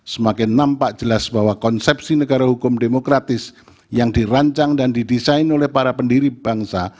semakin nampak jelas bahwa konsepsi negara hukum demokratis yang dirancang dan didesain oleh para pendiri bangsa